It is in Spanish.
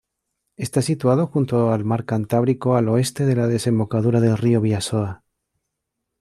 Está situado junto al Mar Cantábrico, al oeste de la desembocadura del río Bidasoa.